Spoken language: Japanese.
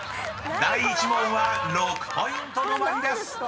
第１問は６ポイント止まりです］